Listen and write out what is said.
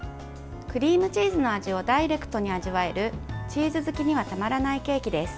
クリームチーズの味をダイレクトに味わえるチーズ好きにはたまらないケーキです。